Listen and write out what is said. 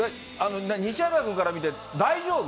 西畑君から見て、大丈夫？